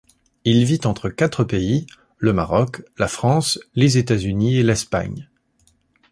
Il vit entre quatre pays, le Maroc, la France, les États-Unis et l'Espagne.